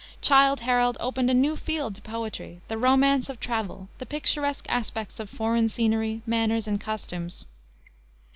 Childe Harold opened a new field to poetry, the romance of travel, the picturesque aspects of foreign scenery, manners, and costumes.